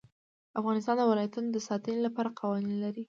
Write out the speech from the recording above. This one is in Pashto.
افغانستان د ولایتونو د ساتنې لپاره قوانین لري.